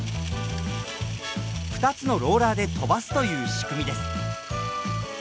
２つのローラーで飛ばすという仕組みです。